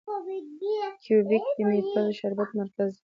کیوبیک د میپل شربت مرکز دی.